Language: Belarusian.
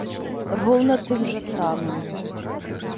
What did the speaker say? Роўна тым жа самым!